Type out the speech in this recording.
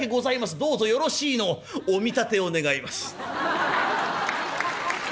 どうぞよろしいのをお見立てを願います」。